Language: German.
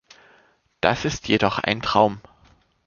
Das ist jedoch ein Traum.